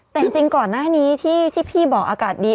แต่จริงก่อนหน้านี้ที่พี่บอกอากาศดี